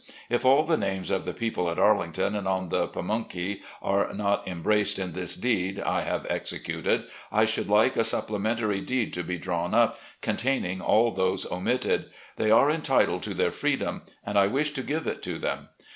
If all the names of the people at Arlington and on the Pamunkey are not embraced in this deed I have executed, I should like a supplementary deed to be drawn up, containing all those omitted. They are entitled to their freedom and I wish to give it to them.